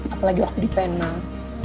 apalagi waktu di penang